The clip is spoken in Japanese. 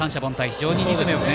非常にリズムよく。